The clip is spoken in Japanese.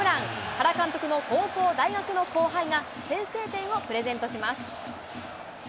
原監督の高校、大学の後輩が先制点をプレゼントします。